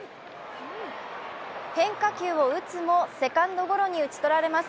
変化球を打つもセカンドゴロに打ち取られます。